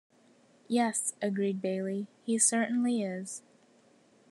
"Yes," agreed Bailey, "he certainly is."